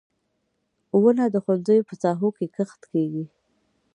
• ونه د ښوونځیو په ساحو کې کښت کیږي.